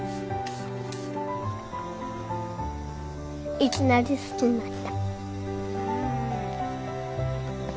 いきなり好きになった。